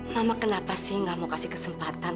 mama kenapa sih gak mau kasih kesempatan